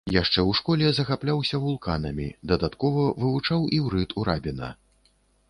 Яшчэ ў школе захапляўся вулканамі, дадаткова вывучаў іўрыт у рабіна.